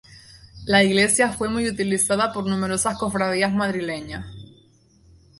La iglesia fue muy utilizada por numerosas cofradías madrileñas.